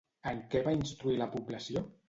En què va instruir la població?